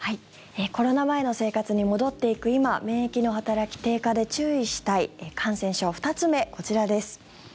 コロナ前の生活に戻っていく今免疫の働き低下で注意したい感染症２つ目、こちらです。